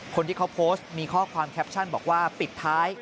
คนที่เขาโพสต์มีข้อความแคปชั่นบอกว่าปิดท้าย